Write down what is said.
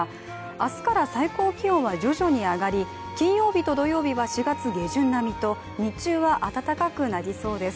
明日から最高気温は徐々に上がり金曜日と土曜日は４月下旬並みと日中は暖かくなりそうです。